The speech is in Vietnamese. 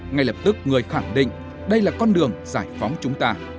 ngay lập tức người khẳng định đây là con đường giải phóng chúng ta